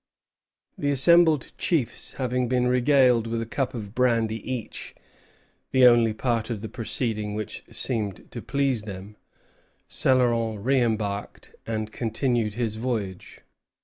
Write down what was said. The assembled chiefs having been regaled with a cup of brandy each, the only part of the proceeding which seemed to please them, Céloron reimbarked, and continued his voyage.